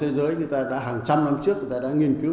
hàng trăm năm trước người ta đã nghiên cứu